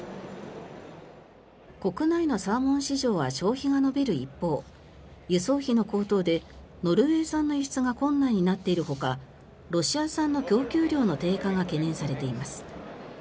国内のサーモン市場は消費が伸びる一方輸送費の高騰でノルウェー産の輸出が困難になっているほかロシア産の供給量の低下が懸念されています。